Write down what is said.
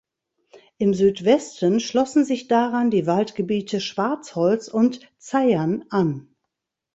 Im Südwesten schlossen sich daran die Waldgebiete Schwarzholz und Zeyern an.